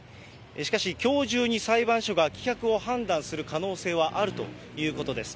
しかし、きょう中に裁判所が棄却を判断する可能性はあるということです。